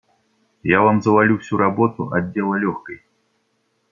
Я вам завалю всю работу отдела легкой.